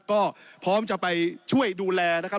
ก็พร้อมจะไปช่วยดูแลนะครับ